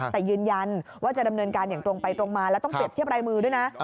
แต่ยืนยันว่าจะดำเนินการอย่างตรงไปตรงมาแล้วต้องเรียบเทียบรายมือด้วยนะ